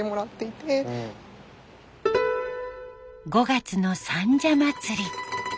５月の三社祭。